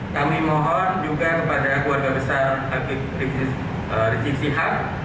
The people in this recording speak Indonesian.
kami mohon juga kepada keluarga besar habib rizik sihab